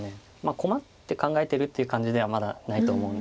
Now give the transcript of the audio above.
困って考えてるという感じではまだないと思うんですけど。